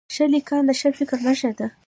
ښه لیکنه د ښه فکر نښه ده.